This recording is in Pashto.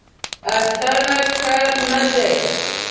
اسانه کار نه دی.